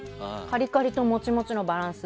カリカリとモチモチのバランス。